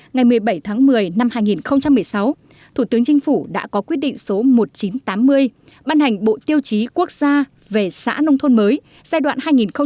ngày một mươi bảy tháng một mươi năm hai nghìn một mươi sáu thủ tướng chính phủ đã có quyết định số một nghìn chín trăm tám mươi ban hành bộ tiêu chí quốc gia về xã nông thôn mới giai đoạn hai nghìn một mươi sáu hai nghìn hai mươi